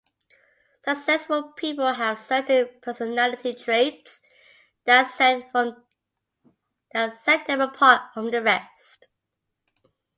Successful people have certain personality traits that set them apart from the rest.